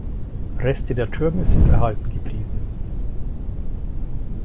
Reste der Türme sind erhalten geblieben.